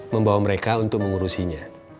membawa mereka untuk mengurusinya